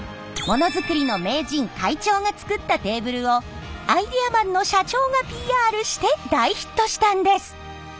モノづくりの名人会長が作ったテーブルをアイデアマンの社長がＰＲして大ヒットしたんです。